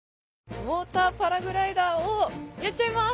モーターパラグライダーをやっちゃいます！